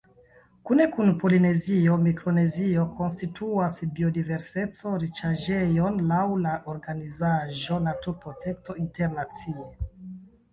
Kune kun Polinezio, Mikronezio konstituas biodiverseco-riĉaĵejon laŭ la organizaĵo Naturprotekto Internacie.